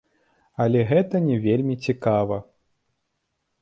Але гэта не вельмі цікава.